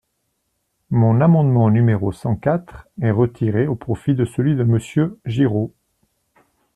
Mon amendement numéro cent quatre est retiré au profit de celui de Monsieur Giraud.